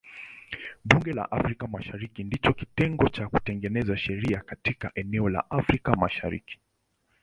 Bunge la Afrika Mashariki ndicho kitengo cha kutengeneza sheria katika eneo la Afrika Mashariki.